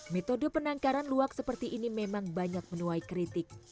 metode penangkaran luak seperti ini memang banyak menuai kritik